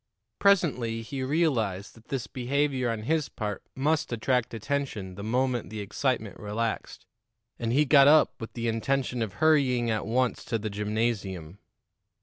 Presently he realized that this behavior on his part must attract attention the moment the excitement relaxed, and he got up with the intention of hurrying at once to the gymnasium.